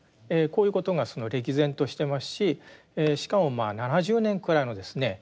こういうことが歴然としてますししかも７０年くらいのですね